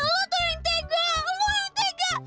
lo tuh yang tega lo yang tega